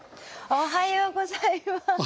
おはようございます。